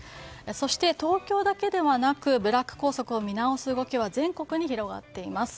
そして東京だけではなくブラック校則を見直す動きは全国に広がっています。